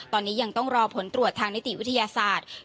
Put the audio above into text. ตอนนี้ยังต้องรอผลตรวจทางนิติวิทยาศาสตร์